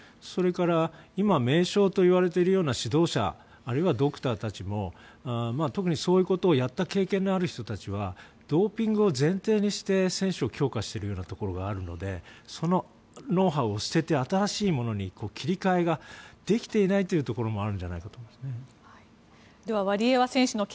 それから、今名将といわれているような指導者あるいはドクターたちも特にそういうことをやった経験のある人たちはドーピングを前提にして選手を強化しているところがあるのでそのノウハウを捨てて新しいものに切り替えができていないというところもあるんじゃないかと思いますね。